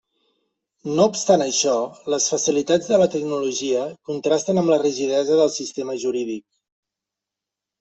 No obstant això, les facilitats de la tecnologia contrasten amb la rigidesa del sistema jurídic.